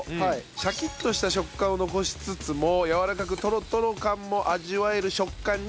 シャキッとした食感を残しつつもやわらかくトロトロ感も味わえる食感に仕上げる。